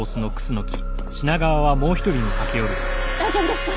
大丈夫ですか？